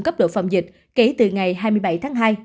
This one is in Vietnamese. cấp độ phòng dịch kể từ ngày hai mươi bảy tháng hai